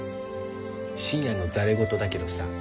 深夜のざれ言だけどさ。